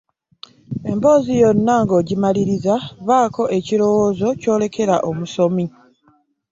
Emboozi yonna ng’ogimaliriza baako ekirowoozo ky’olekera omusomi.